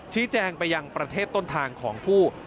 ชี้แจงไปยังประเทศต้นทางของผู้